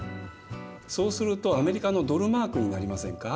そうするとアメリカのドルマークになりませんか？